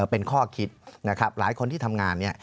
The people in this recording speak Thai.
เป็นข้อคิดนะครับหลายคนที่ทำงานเนี่ย